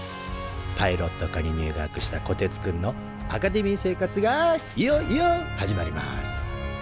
パイロット科に入学したこてつくんのアカデミー生活がいよいよ始まります